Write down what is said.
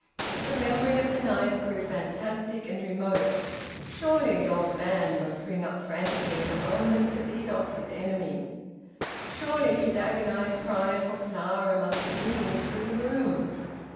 The memory of the night grew fantastic and remote. Surely the old man must spring up frantically in a moment, to beat off his enemy! Surely his agonised cry for Clara must be ringing through the room!